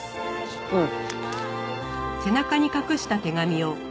うん。